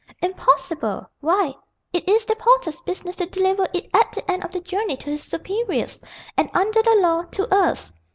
"Impossible! Why, it is the porter's business to deliver it at the end of the journey to his superiors, and under the law to us.